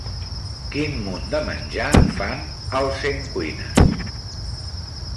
Quin munt de menjar fan al Centcuines?